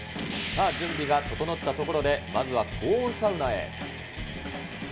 さあ、準備が整ったところで、まずは高温サウナへ。